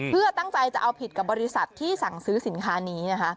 เพื่อตั้งใจจะเอาผิดกับบริษัทที่สั่งซื้อสินค้านี้นะคะ